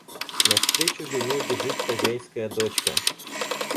Навстречу жене бежит хозяйская дочка.